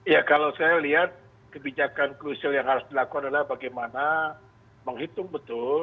ya kalau saya lihat kebijakan krusial yang harus dilakukan adalah bagaimana menghitung betul